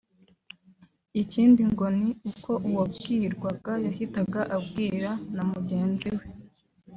ikindi ngo ni uko uwabwirwaga yahitaga abwira na mugenzi we